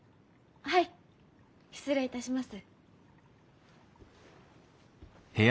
はい失礼いたします。